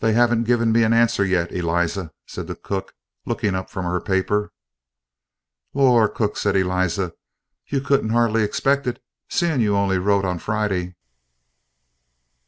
"They haven't give me a answer yet, Eliza," said the cook, looking up from her paper. "Lor, cook!" said Eliza, "you couldn't hardly expect it, seeing you only wrote on Friday."